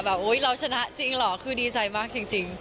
โอ๊ยเราชนะจริงเหรอคือดีใจมากจริง